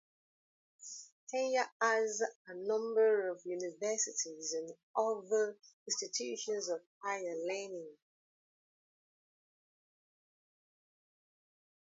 Kenya has a number of universities and other institutions of higher learning.